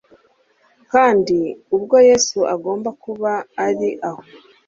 kandi ubwo yesu agomba kuba ari ho